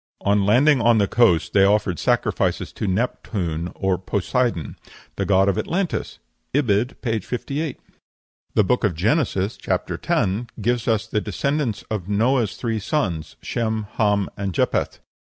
On landing on the coast they offered sacrifices to Neptune or Poseidon" the god of Atlantis. (Ibid., p. 58.) The Book of Genesis (chap. x.) gives us the descendants of Noah's three sons, Shem, Ham, and Japheth.